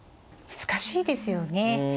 難しいですよね。